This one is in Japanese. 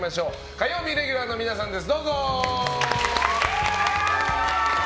火曜日レギュラーの皆さんです！